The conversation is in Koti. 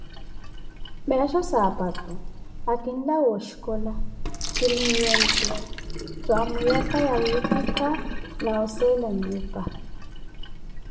Meesho saapatu, akinlawa oshicola, kiniiya onti, zwaamuyaka ya wiipika na oseela nnyupa.